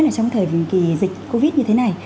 là trong thời kỳ dịch covid như thế này